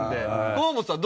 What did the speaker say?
河本さん